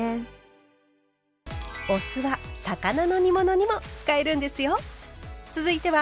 お酢は魚の煮物にも使えるんですよ。